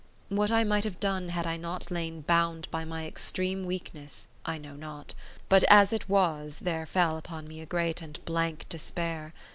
What I might have done had not I lain bound by my extreme weakness, I know not; but as it was there fell upon me a great and blank despair.